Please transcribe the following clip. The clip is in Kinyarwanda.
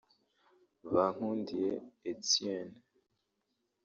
Bankundiye Etienne